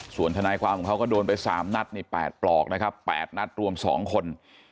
ส่วนทนายความของเขาก็โดนไป๓นัดนี่๘ปลอกนะครับ๘นัดรวม๒คน